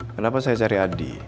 kenapa saya cari adi